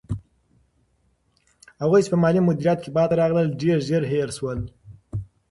هغوی چې په مالي مدیریت کې پاتې راغلل، ډېر ژر هېر شول.